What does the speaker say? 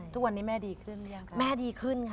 ทุกวันนี้แม่ดีขึ้นหรือยังคะ